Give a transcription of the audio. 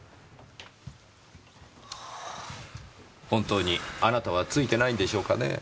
本当にあなたはツイてないんでしょうかねぇ？